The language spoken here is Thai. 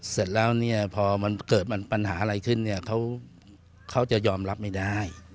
เสร็จแล้วเนี่ยพอมันเกิดปัญหาอะไรขึ้นเนี่ยเขาจะยอมรับไม่ได้